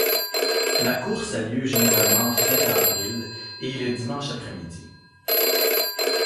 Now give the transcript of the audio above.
La course a lieu généralement fin avril et le dimanche après-midi.